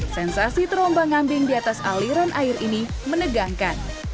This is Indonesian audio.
sensasi terombang ngambing di atas aliran air ini menegangkan